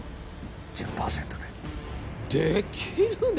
１０％でできるね